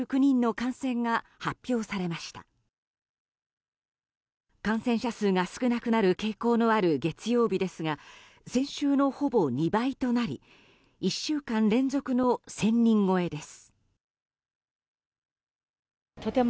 感染者数が少なくなる傾向のある月曜日ですが先週のほぼ２倍となり１週間連続の１０００人超えです。